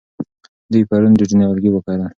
دوی پرون ډېر نیالګي وکرل.